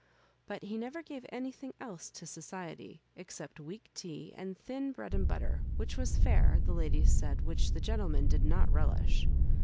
But he never gave anything else to soci ety, except weak tea and thin bread and butter, which was &re, the ladies said, which the gen tlemen did not relish.